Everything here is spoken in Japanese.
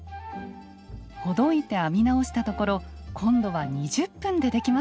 ほどいて編み直したところ今度は２０分でできました。